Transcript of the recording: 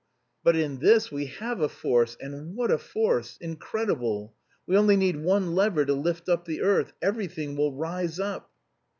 But in this we have a force, and what a force! Incredible. We only need one lever to lift up the earth. Everything will rise up!"